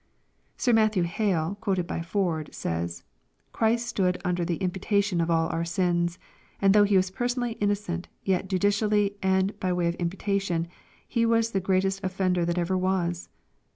'*' Sir Matthew Hale, quoted by Ford, says, " Christ stood under tJje imputation of all our sius ; and though He was personally in . nocent, yet judicially and by way of imputation, He was the great est offender that ever was.